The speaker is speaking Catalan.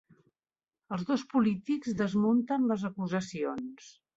Els dos polítics desmunten les acusacions